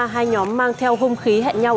hai nhóm mang theo hung khí hẹn nhau